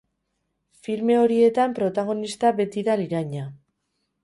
Filme horietan protagonista beti da liraina.